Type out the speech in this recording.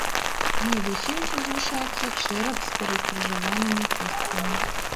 Над усім узвышаецца чэрап з перакрыжаванымі косткамі.